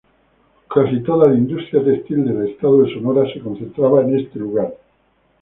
Casi toda la industria textil del estado de Sonora se concentraba en este lugar.